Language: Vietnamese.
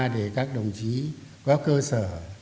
để các đồng chí có cơ sở